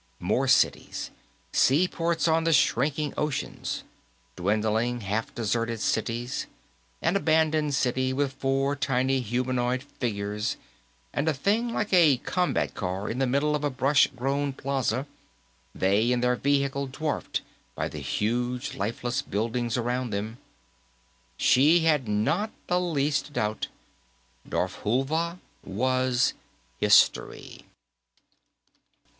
More cities seaports on the shrinking oceans; dwindling, half deserted cities; an abandoned city, with four tiny humanoid figures and a thing like a combat car in the middle of a brush grown plaza, they and their vehicle dwarfed by the huge lifeless buildings around them. She had not the least doubt; Darfhulva was History.